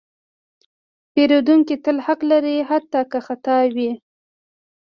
پیرودونکی تل حق لري، حتی که خطا وي.